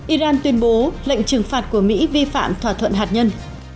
iran tuyên bố lệnh trừng phạt của mỹ vi phạm thỏa thuận hạt nhân